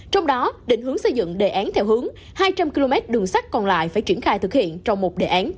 trong đó định hướng xây dựng đề án theo hướng hai trăm linh km đường sát còn lại phải triển khai thực hiện trong một đề án tổng hệ